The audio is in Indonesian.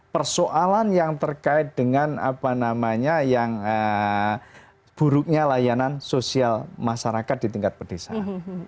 persoalan yang terkait dengan apa namanya yang buruknya layanan sosial masyarakat di tingkat pedesaan